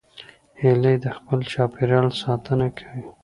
هیلۍ د خپل چاپېریال ساتنه کوي